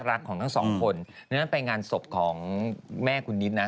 รักของทั้งสองคนดังนั้นไปงานศพของแม่คุณนิดนะ